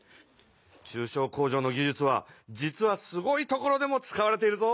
中小工場の技術は実はすごい所でも使われているぞ。